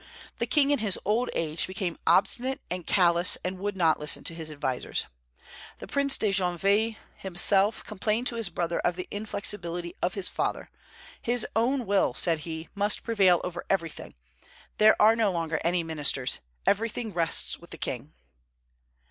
The king in his old age became obstinate and callous, and would not listen to advisers. The Prince de Joinville himself complained to his brother of the inflexibility of his father. "His own will," said he, "must prevail over everything. There are no longer any ministers. Everything rests with the king."